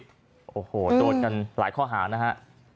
โอ้โหโดนกันหลายข้อหานะฮะ